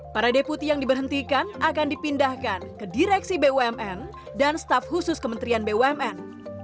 para deputi yang diberhentikan akan dipindahkan ke direksi bumn dan staf khusus kementerian bumn